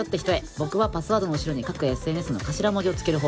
僕はパスワードの後ろに各ＳＮＳの頭文字をつける方法を使っています。